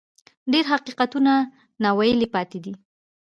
ډېر حقیقتونه ناویلي پاتې دي.